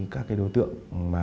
các cái đối tượng